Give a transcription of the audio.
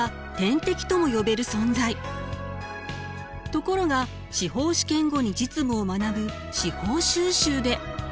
ところが司法試験後に実務を学ぶ司法修習で。